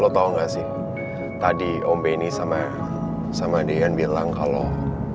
lo tau gak sih tadi om benny sama sama dian bilang kalau